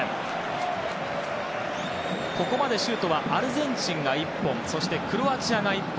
ここまでシュートはアルゼンチンが１本クロアチアが１本。